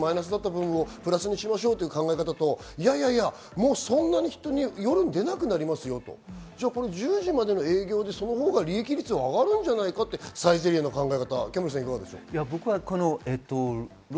プラスにしましょうという考え方と、そんなに人、夜、出なくなりますよ、１０時までの営業でそのほうが利益率が上がるのじゃないかというサイゼリヤの考え方、いかがですか？